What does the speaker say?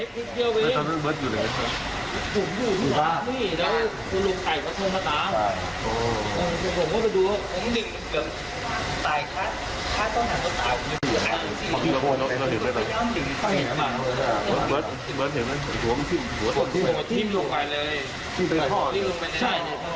ช้าต้อนอันต่อมา